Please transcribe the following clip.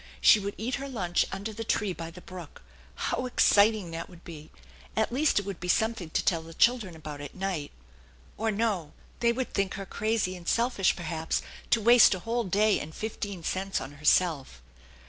She would eat her lunch under the tree by the brook! How exciting that would be! At least it would be something to tell the children about at night! Or no! they would think her crazy and selfish, perhaps, to waste a whole day and fifteen cents on herself.